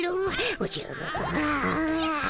おじゃあ。